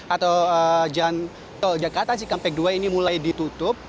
atau jalan tol jakarta cikampek dua ini mulai ditutup